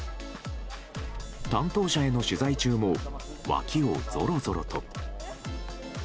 担当者への取材中も脇をぞろぞろと。